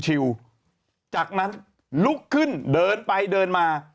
จากนั้นลุกขึ้นเดินไปเดินมา